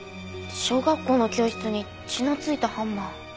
小学校の教室に血の付いたハンマー。